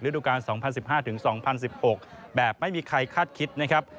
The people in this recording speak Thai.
ดูการ๒๐๑๕๒๐๑๖แบบไม่มีใครคาดคิดนะครับ